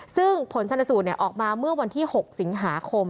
ซึ่งผลชนสูตรออกมาเมื่อวันที่๖สิงหาคม